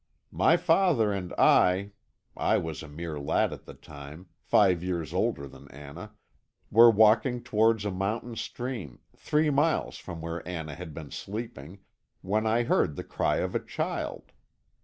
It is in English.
My father and I I was a mere lad at the time, five years older than Anna were walking towards a mountain stream, three miles from where Anna had been sleeping, when I heard the cry of a child.